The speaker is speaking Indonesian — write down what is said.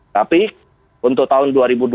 tapi untuk tahun dua ribu dua puluh